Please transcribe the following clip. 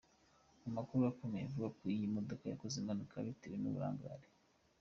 Amakuru akomeza avuga ko iyi modoka yakoze impanuka bitewe n’uburangare.